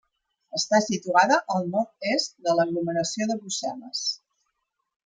Està situada al nord-est de l'aglomeració de Brussel·les.